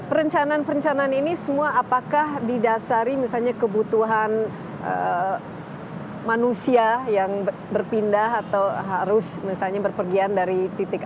perencanaan perencanaan ini semua apakah didasari misalnya kebutuhan manusia yang berpindah atau harus misalnya berpergian dari titik